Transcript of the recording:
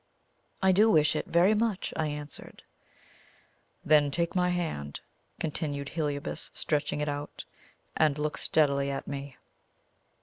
"I do wish it very much," I answered. "Then take my hand," continued Heliobas, stretching it out, "and look steadily at me."